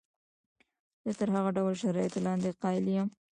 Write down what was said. زه تر هر ډول شرایطو لاندې قایل یم.